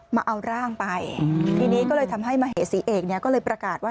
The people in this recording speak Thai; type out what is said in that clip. มาเอาร่างไปทีนี้ก็เลยทำให้มเหสีเอกเนี่ยก็เลยประกาศว่า